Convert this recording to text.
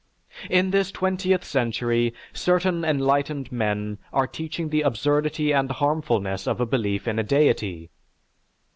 In this twentieth century, certain enlightened men are teaching the absurdity and harmfulness of a belief in a deity.